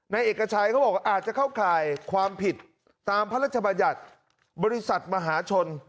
นายเอกชัยเขาบอกว่าอาจจะเข้าข่ายความผิดตามพระราชบัญญัติบริษัทมหาชน